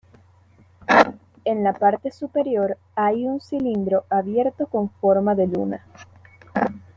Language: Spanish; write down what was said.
En la parte superior hay un cilindro abierto con forma de luna.